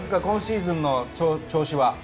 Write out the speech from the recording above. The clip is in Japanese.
今シーズンの調子は。